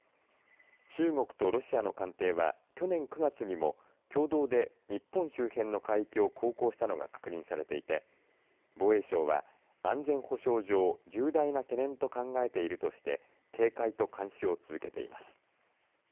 中国とロシアの艦艇は去年９月にも、共同で日本周辺の海域を航行したのが確認されていて防衛省は、安全保障上重大な懸念と考えているとして警戒と監視を続けています。